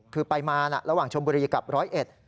คือไปมาระหว่างชมบุรีกับร้อยเอ็ด